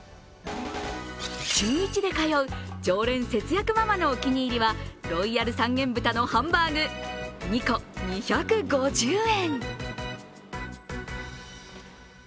週１で通う常連節約ママのお気に入りはロイヤル三元豚のハンバーグ２個２５０円。